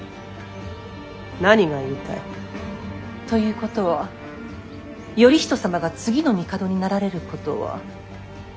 何が言いたい。ということは頼仁様が次の帝になられることは。